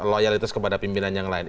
loyalitas kepada pimpinan yang lain